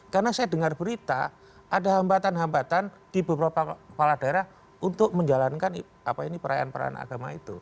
karena saya dengar berita ada hambatan hambatan di beberapa kepala daerah untuk menjalankan perayaan perayaan agama itu